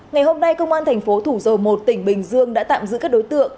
ngày hôm nay công an thành phố thủ dầu một tỉnh bình dương đã tạm giữ các đối tượng